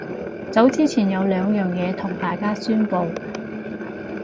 走之前有兩樣嘢同大家宣佈